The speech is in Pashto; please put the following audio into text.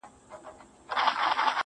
ما ويل وېره مي پر زړه پرېوته.